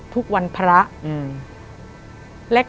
ทุกวันพระอืม